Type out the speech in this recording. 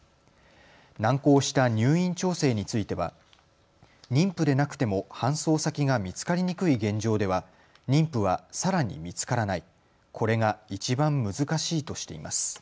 難航した入院調整については妊婦でなくても搬送先が見つかりにくい現状では、妊婦はさらに見つからない、これがいちばん難しいとしています。